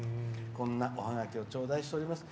こんなおハガキを頂戴しております。